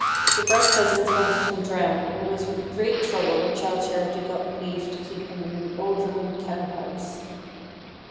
The proud cousins wanted him drowned, and it was with great trouble that Childe Charity got leave to keep him in an old ruined cow house.